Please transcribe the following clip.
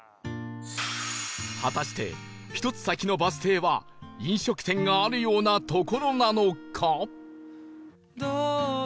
果たして１つ先のバス停は飲食店があるような所なのか？